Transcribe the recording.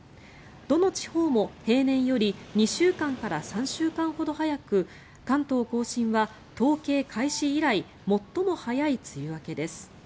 どの地方も平年より２週間から３週間ほど早く関東・甲信は統計開始以来最も早い梅雨明けです。